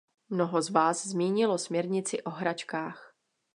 Mnoho z vás zmínilo směrnici o hračkách.